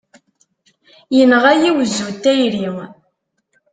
Yenɣa-yi wezzu n tayri!